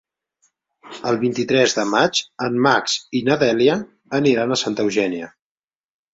El vint-i-tres de maig en Max i na Dèlia aniran a Santa Eugènia.